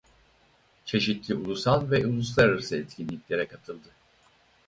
Çeşitli ulusal ve uluslararası etkinliklere katıldı.